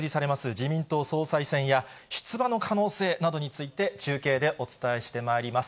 自民党総裁選や出馬の可能性などについて、中継でお伝えしてまいります。